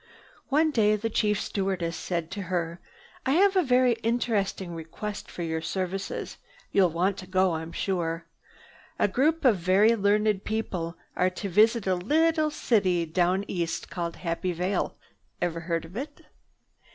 One day the chief stewardess said to her, "I have a very interesting request for your services. You'll want to go, I'm sure. A group of very learned people are to visit a little city down east called Happy Vale. Ever hear of it?"